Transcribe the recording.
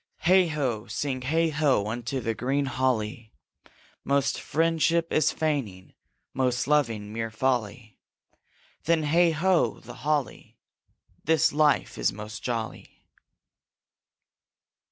Heigh ho! sing heigh ho! unto the green holly Most friendship is feigning, most loving mere folly; Then, heigh ho, the holly! This life is most jolly